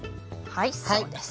はいそうです。